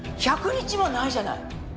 １００日もないじゃない。